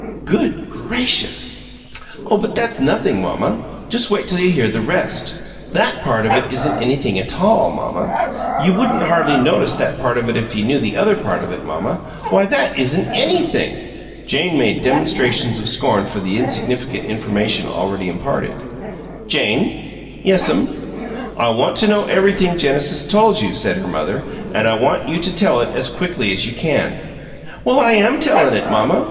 "Good gracious!" "Oh, but that's nothing, mamma just you wait till you hear the rest. THAT part of it isn't anything a TALL, mamma! You wouldn't hardly notice that part of it if you knew the other part of it, mamma. Why, that isn't ANYTHING!" Jane made demonstrations of scorn for the insignificant information already imparted. "Jane!" "Yes'm?" "I want to know everything Genesis told you," said her mother, "and I want you to tell it as quickly as you can." "Well, I AM tellin' it, mamma!"